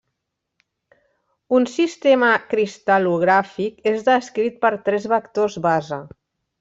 Un sistema cristal·logràfic és descrit per tres vectors base.